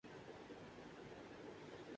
ہسپتالوں کے بارے میں لکھ لکھ کے تھک گئے ہوں۔